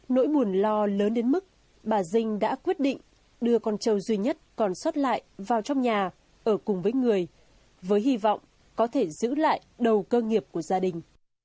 nỗi buồn lo lớn đến mức bà dinh đã quyết định đưa con trâu duy nhất còn sót lại vào trong nhà ở cùng với người với hy vọng có thể giữ lại đầu cơ nghiệp của gia đình